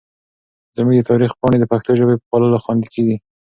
زموږ د تاریخ پاڼې د پښتو ژبې په پاللو خوندي کېږي.